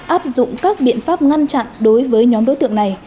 áp dụng các biện pháp ngăn chặn đối với nhóm đối tượng này